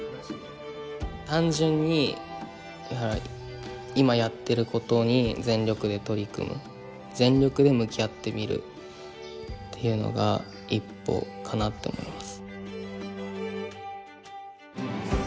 単純に今やってることに全力で取り組む全力で向き合ってみるっていうのが一歩かなって思います。